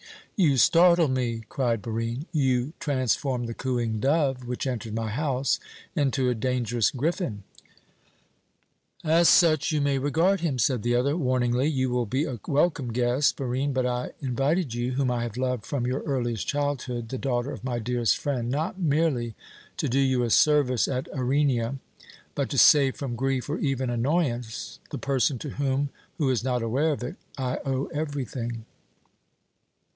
"You startle me!" cried Barine. "You transform the cooing dove which entered my house into a dangerous griffin." "As such you may regard him," said the other, warningly. "You will be a welcome guest, Barine, but I invited you, whom I have loved from your earliest childhood, the daughter of my dearest friend, not merely to do you a service at Irenia, but to save from grief or even annoyance the person to whom who is not aware of it I owe everything."